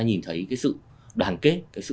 nhìn thấy cái sự đoàn kết cái sự